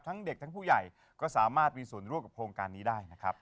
เด็กทั้งผู้ใหญ่ก็สามารถมีส่วนร่วมกับโครงการนี้ได้นะครับ